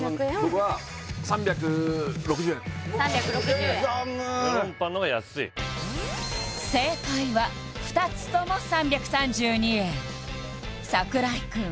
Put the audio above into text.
僕は３６０円３６０円刻むメロンパンの方が安い正解は２つとも３３２円櫻井くん